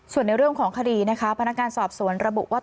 ส่วนในเรื่องของคดีนะคะพนักงานสอบสวนระบุว่า